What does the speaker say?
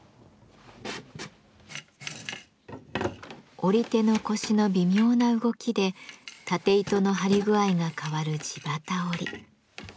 織り手の腰の微妙な動きで縦糸の張り具合が変わる地機織。